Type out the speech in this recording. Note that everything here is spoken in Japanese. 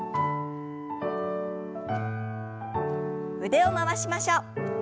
腕を回しましょう。